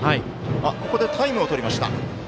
ここでタイムをとりました。